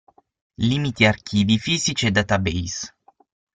Limiti archivi fisici e database.